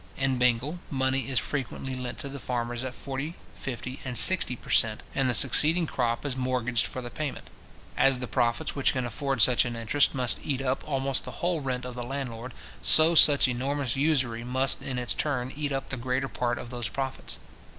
In Bengal, money is frequently lent to the farmers at forty, fifty, and sixty per cent. and the succeeding crop is mortgaged for the payment. As the profits which can afford such an interest must eat up almost the whole rent of the landlord, so such enormous usury must in its turn eat up the greater part of those profits.